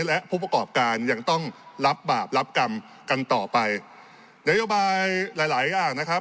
และผู้ประกอบการยังต้องรับบาปรับกรรมกันต่อไปนโยบายหลายหลายอย่างนะครับ